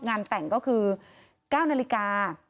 งานแต่งก็คือ๙นาฬิกา